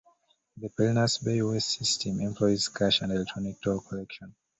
The Pinellas Bayway system employs cash and electronic toll collection.